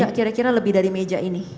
ya kira kira lebih dari meja ini